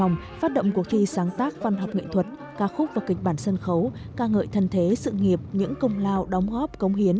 giáng tác văn học nghệ thuật ca khúc và kịch bản sân khấu ca ngợi thần thế sự nghiệp những công lao đóng góp công hiến